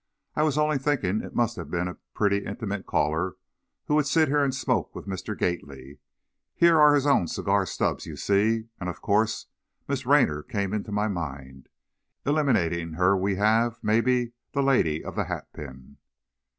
I was only thinking it must have been a pretty intimate caller who would sit here and smoke with Mr. Gately here are his own cigar stubs you see and of course, Miss Raynor came into my mind. Eliminating her we have, maybe, the lady of the hatpin."